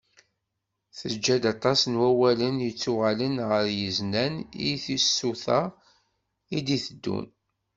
Teǧǧa-d aṭas n wawalen yettuɣalen deg yiznan i tsuta i d-iteddun.